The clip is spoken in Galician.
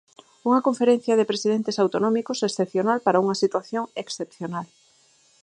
Unha conferencia de presidentes autonómicos excepcional para unha situación excepcional.